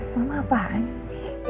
mama apaan sih